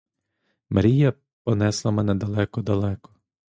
Мрія понесла мене далеко-далеко.